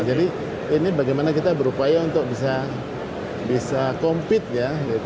jadi ini bagaimana kita berupaya untuk bisa compete ya gitu